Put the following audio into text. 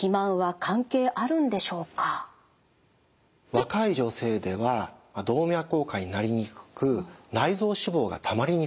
若い女性では動脈硬化になりにくく内臓脂肪がたまりにくい。